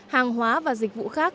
hàng hóa và dịch vụ khác